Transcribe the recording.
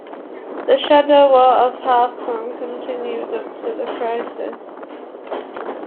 The "Shadow War of Hawkman" continued up to the "Crisis".